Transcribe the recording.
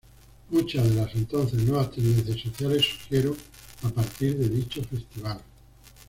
Muchas de las entonces nuevas tendencias sociales surgieron a partir de dicho festival.